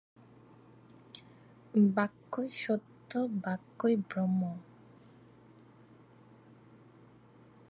বাক্যই সত্য, বাক্যই ব্রহ্ম।